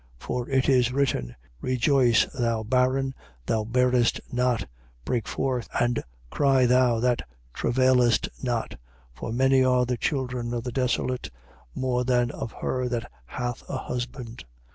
4:27. For it is written: Rejoice, thou barren, that bearest not: break forth and cry thou that travailest not: for many are the children of the desolate, more than of her that hath a husband.